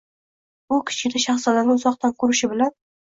u Kichkina shahzodani uzoqdan ko‘rishi bilan.